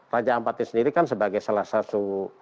raja ampati sendiri kan sebagai salah satu